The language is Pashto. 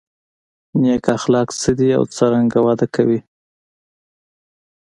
نېک اخلاق څه دي او څرنګه وده ورکړو.